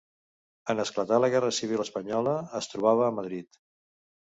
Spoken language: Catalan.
En esclatar la guerra civil espanyola es trobava a Madrid.